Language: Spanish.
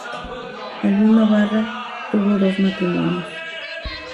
Albino Barra tuvo dos matrimonios.